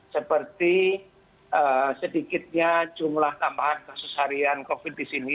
seperti sedikitnya jumlah tambahan kasus harian covid di sini